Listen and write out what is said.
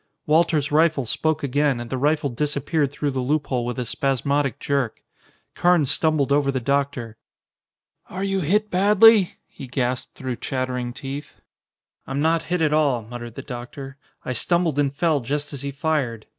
Walter's rifle spoke again and the rifle disappeared through the loophole with a spasmodic jerk. Carnes stumbled over the doctor. "Are you hit badly?" he gasped through chattering teeth. "I'm not hit at all," muttered the doctor. "I stumbled and fell just as he fired.